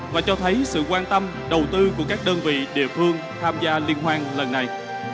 và cho thấy sự quan tâm đầu tư của các đơn vị địa phương tham gia liên hoan lần này